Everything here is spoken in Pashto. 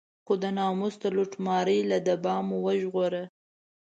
خو د ناموس د لوټمارۍ له دبا مو وژغوره.